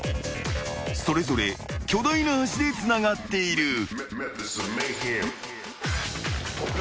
［それぞれ巨大な橋でつながっている］